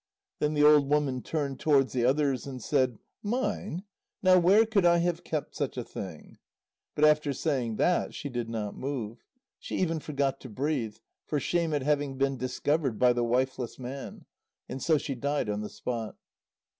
Then the old woman turned towards the others and said: "Mine? Now where could I have kept such a thing?" But after saying that she did not move. She even forgot to breathe, for shame at having been discovered by the wifeless man, and so she died on the spot.